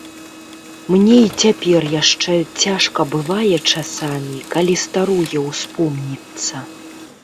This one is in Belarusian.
Мне й цяпер яшчэ цяжка бывае часамі, калі старое ўспомніцца.